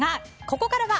ここからは